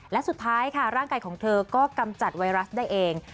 และสุดท้ายค่ะร่างกายของเธอก็กำจัดไวรัสได้เอง